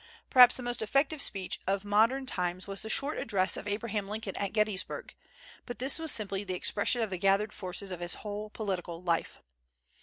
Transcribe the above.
Probably the most effective speech of modern times was the short address of Abraham Lincoln at Gettysburg; but this was simply the expression of the gathered forces of his whole political life.